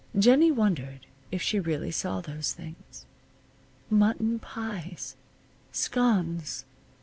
Jennie wondered if she really saw those things. Mutton pies! Scones!